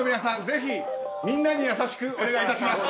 ぜひみんなに優しくお願いいたします。